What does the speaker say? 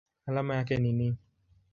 Alama yake ni Ni.